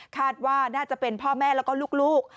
คาดว่าน่าจะเป็นพ่อแม่แล้วก็ลูก